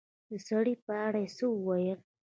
د سړي په اړه يې څه وويل